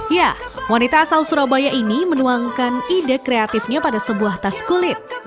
ya wanita asal surabaya ini menuangkan ide kreatifnya pada sebuah tas kulit